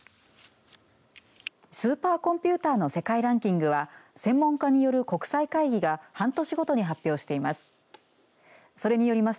スーパーコンピューターの世界ランキングは専門家による国際会議が半年ごとに発表しています。